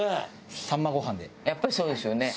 やっぱりそうですよね。